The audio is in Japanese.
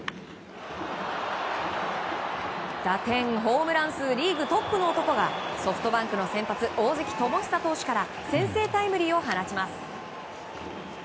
打点、ホームラン数リーグトップの男がソフトバンクの先発大関友久投手から先制タイムリーを放ちます。